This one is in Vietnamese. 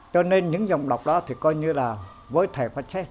cho nên những dòng đọc đó thì coi như là với thầy phát xét